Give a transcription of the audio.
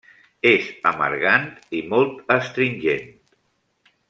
És amargant i molt astringent.